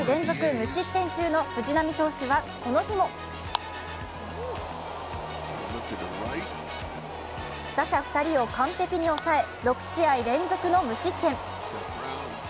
無失点中の藤浪投手はこの日も打者２人を完璧に抑え６試合連続の無失点。